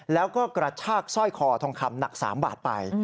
แล้วก็กระชากสร้อยคอทองคำหนัก๓บาทไป